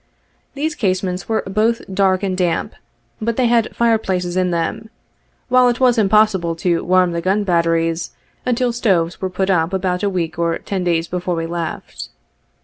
These casemates were both dark and damp, but they had fire places in them, while it was impossible to warm the gun batteries, until stoves were put up about a week or ten days before we left.